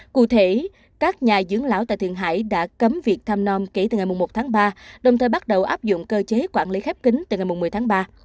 cụ thể các nhà dưỡng lão tại thượng hải đã cấm việc thăm non kể từ ngày một tháng ba đồng thời bắt đầu áp dụng cơ chế quản lý khép kính từ ngày một mươi tháng ba